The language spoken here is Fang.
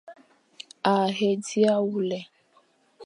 A he dia wule.